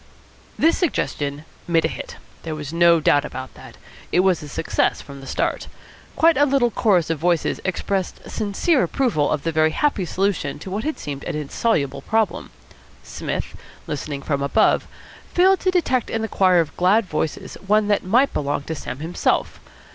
This suggestion made a hit. There was no doubt about that. It was a success from the start. Quite a little chorus of voices expressed sincere approval of the very happy solution to what had seemed an insoluble problem. Psmith, listening from above, failed to detect in the choir of glad voices one that might belong to Sam himself.